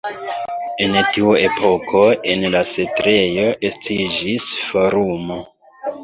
En tiu epoko en la setlejo estiĝis forumo.